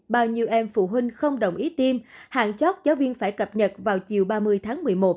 bao nhiêu em phụ huynh không đồng ý tiêm hàng chót giáo viên phải cập nhật vào chiều ba mươi tháng một mươi một